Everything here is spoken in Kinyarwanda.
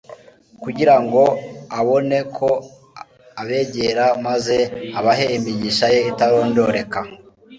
kugira ngo abone uko abegera maze abahe imigisha ye itarondoreka.